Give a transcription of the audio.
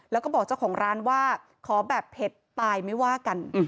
แล้วก็บอกเจ้าของร้านว่าขอแบบเผ็ดตายไม่ว่ากัน